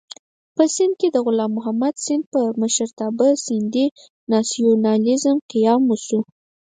په سېند کې د غلام محمد سید په مشرتابه د سېندي ناسیونالېزم قیام وشو.